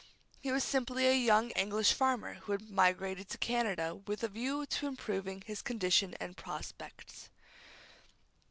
He was simply a young English farmer who had migrated to Canada with a view to improving his condition and prospects.